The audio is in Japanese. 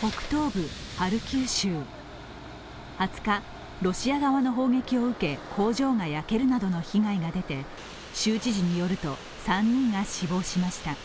北東部ハルキウ州、２０日、ロシア側の砲撃を受け工場が焼けるなどの被害が出て、州知事によると３人が死亡しました。